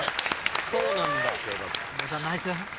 そうなんだ。